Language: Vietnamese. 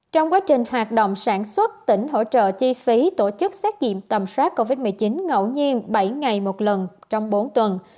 trong quá trình hoạt động sản xuất tỉnh hỗ trợ chi phí tổ chức xét nghiệm tầm soát covid một mươi chín ngẫu nhiên bảy ngày một lần trong bốn tuần